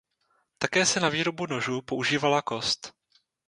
Také se na výrobu nožů používala kost.